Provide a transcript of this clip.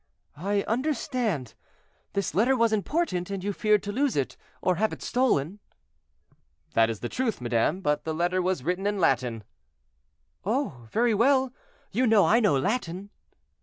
"I understand. This letter was important, and you feared to lose it, or have it stolen." "That is the truth, madame; but the letter was written in Latin." "Oh, very well; you know I know Latin."